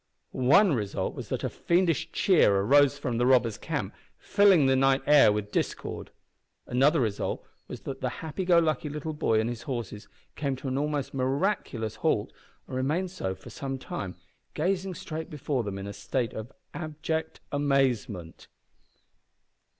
One result was that a fiendish cheer arose from the robbers' camp, filling the night air with discord. Another result was that the happy go lucky little boy and his horses came to an almost miraculous halt and remained so for some time, gazing straight before them in a state of abject amazement!